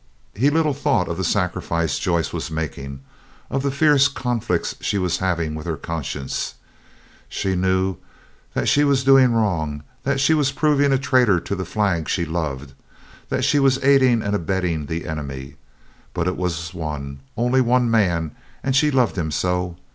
He little thought of the sacrifice Joyce was making, of the fierce conflicts she was having with her conscience. She knew that she was doing wrong, that she was proving a traitor to the flag she loved, that she was aiding and abetting the enemy; but it was one, only one man, and she loved him so.